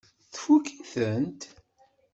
Tfukk-itent?